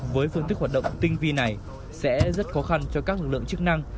với phương thức hoạt động tinh vi này sẽ rất khó khăn cho các lực lượng chức năng